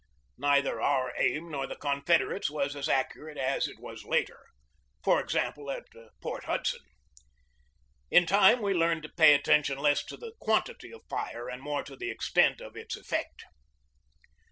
Neither our aim nor the Con federates' was as accurate as it was later; for ex 68 GEORGE DEWEY ample, at Port Hudson. In time we learned to pay attention less to the quantity of fire and more to the extent of its effect.